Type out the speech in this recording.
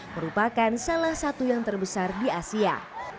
merupakan seorang penonton yang berpengalaman untuk mencari penonton yang berpengalaman